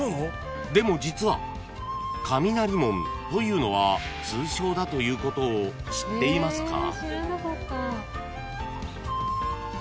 ［でも実は雷門というのは通称だということを知っていますか？］